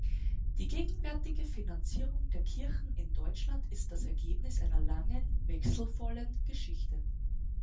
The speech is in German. Die gegenwärtige Finanzierung der Kirchen in Deutschland ist das Ergebnis einer langen wechselvollen Geschichte.